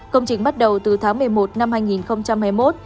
công trình bắt đầu từ tháng một mươi một năm hai nghìn hai mươi một